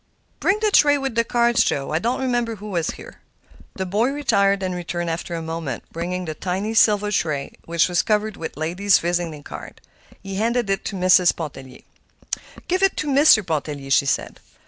"Bring the tray with the cards, Joe. I don't remember who was here." The boy retired and returned after a moment, bringing the tiny silver tray, which was covered with ladies' visiting cards. He handed it to Mrs. Pontellier. "Give it to Mr. Pontellier," she said.